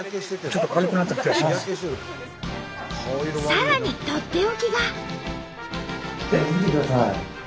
さらにとっておきが。